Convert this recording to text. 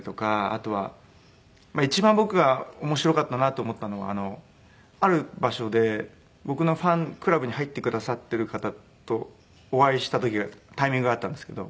あとは一番僕が面白かったなと思ったのはある場所で僕のファンクラブに入ってくださってる方とお会いしたタイミングがあったんですけど。